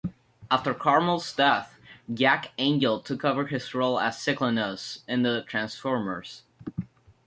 After Carmel's death, Jack Angel took over his role as Cyclonus in "The Transformers".